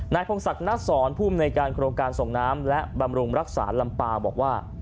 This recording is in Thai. นายพงศักดิ์นักสอนผู้มนายการโครงการส่งน้ำและบำรุงรักษาลำเปล่าบอกว่า